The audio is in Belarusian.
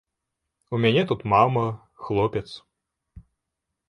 У мяне тут мама, хлопец.